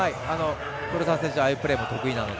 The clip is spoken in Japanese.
古澤選手はああいうプレーも得意なので。